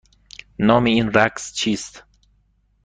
نام این رقص چیست؟